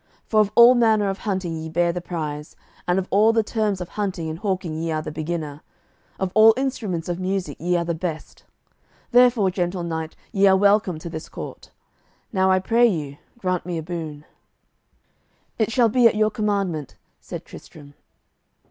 For of all manner of hunting ye bear the prize; and of all the terms of hunting and hawking ye are the beginner; of all instruments of music ye are the best. Therefore, gentle knight, ye are welcome to this court. Now I pray you, grant me a boon." "It shall be at your commandment," said Tristram.